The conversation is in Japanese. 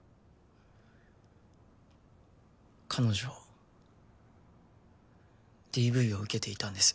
彼女ＤＶを受けていたんです。